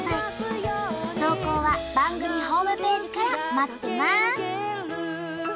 投稿は番組ホームページから待ってます！